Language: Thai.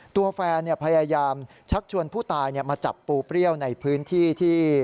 ตัวแฟนพยายามชักชวนผู้ตายมาจับปูเปรี้ยวในพื้นที่ที่